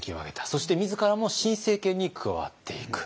そして自らも新政権に加わっていく。